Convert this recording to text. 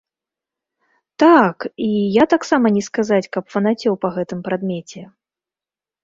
Так, і я таксама не сказаць, каб фанацеў па гэтым прадмеце.